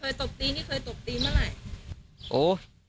ตบตีนี่เคยตบตีเมื่อไหร่